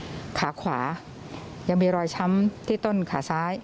ขาขวายังมีรอยช้ำที่ต้นขาซ้าย